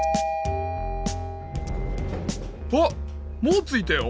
おっもうついたよ。